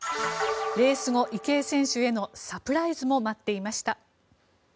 レース後、池江選手へのサプライズも待っていました。